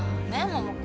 桃子。